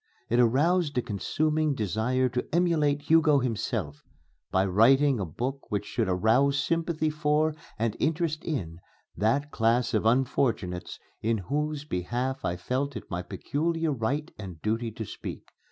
It aroused a consuming desire to emulate Hugo himself, by writing a book which should arouse sympathy for and interest in that class of unfortunates in whose behalf I felt it my peculiar right and duty to speak.